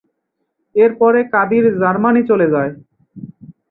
এরপরে কাদির জার্মানি চলে যান।